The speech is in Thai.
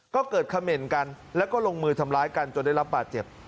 ก็เกิดเขม่นกันแล้วก็ลงมือทำร้ายกันจนได้รับบาดเจ็บ